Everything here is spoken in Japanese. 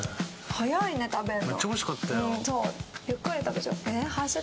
早いね、食べるの。